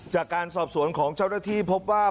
จากการสอบสวนของเจ้าหน้าที่พบว่า